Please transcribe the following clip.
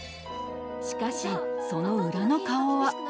しかしその裏の顔は。